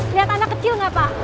lihat anak kecil nggak pak